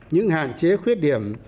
những hạn chế khuyết điểm